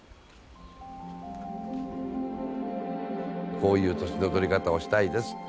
こういう年の取り方をしたいですって。